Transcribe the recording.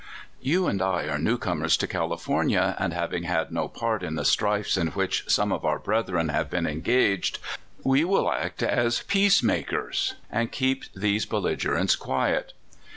y^MK)U and I are new comers to California, and 8 lO^^ having had no part in the strifes in which ^^^?^^ some of our brethren have been engaged, we will act as peace makers, and keep these bellig erents quiet."